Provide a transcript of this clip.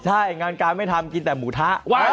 ใช่งานการไม่ทำกินแต่หมูทะ